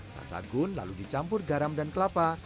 sasagun lalu dicampur garam dan kelapa